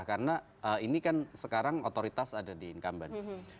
karena ini kan sekarang otoritas ada di incumbent